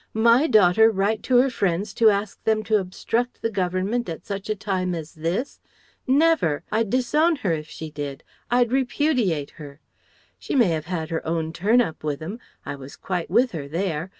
"My daughter write to her friends to ask them to obstruct the government at such a time as this? Never! I'd disown her if she did, I'd repudiate her! She may have had her own turn up with 'em. I was quite with her there.